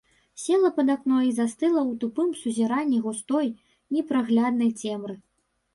Села пад акно і застыла ў тупым сузіранні густой, непрагляднай цемры.